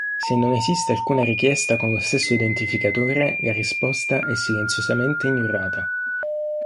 Se non esiste alcuna richiesta con lo stesso identificatore, la risposta è silenziosamente ignorata.